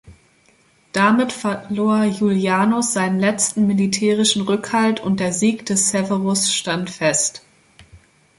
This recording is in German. Damit verlor Iulianus seinen letzten militärischen Rückhalt und der Sieg des Severus stand fest.